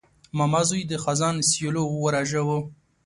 ماما زوی د خزان سیلیو ورژاوه.